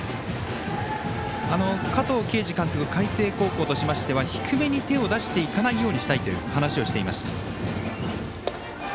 加藤慶二監督海星高校としましては低めに手を出していかないようにしたいと話していました。